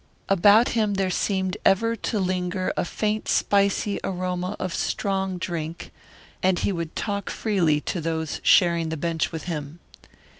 About him there seemed ever to linger a faint spicy aroma of strong drink, and he would talk freely to those sharing the bench with him.